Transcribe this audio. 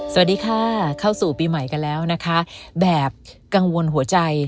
สวัสดีค่ะเข้าสู่ปีใหม่กันแล้วนะคะแบบกังวลหัวใจ